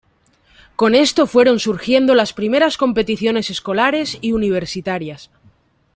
Con esto fueron surgiendo las primeras competiciones escolares y universitarias.